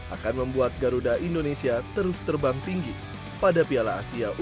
akan membuat garuda indonesia terus terbang tinggi pada piala asia u dua puluh